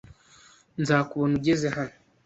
Nzakubona ugeze hano.